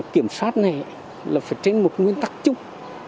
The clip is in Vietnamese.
kiểm soát này là phải trên một nguyên tắc chung